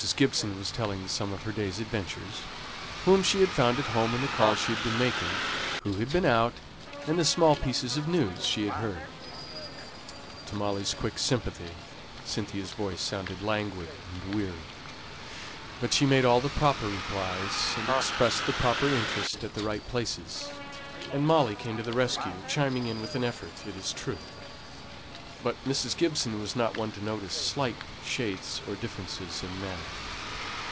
Gibson was telling some of her day's adventures whom she had found at home in the calls she had been making; who had been out; and the small pieces of news she had heard. To Molly's quick sympathy Cynthia's voice sounded languid and weary, but she made all the proper replies, and expressed the proper interest at the right places, and Molly came to the rescue, chiming in, with an effort, it is true; but Mrs. Gibson was not one to notice slight shades or differences in manner.